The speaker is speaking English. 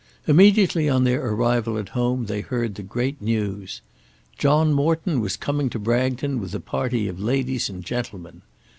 Immediately on their arrival at home they heard the great news. John Morton was coming to Bragton with a party of ladies and gentlemen.